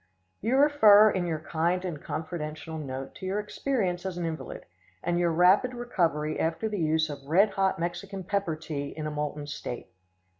You refer in your kind and confidential note to your experience as an invalid, and your rapid recovery after the use of red hot Mexican pepper tea in a molten state.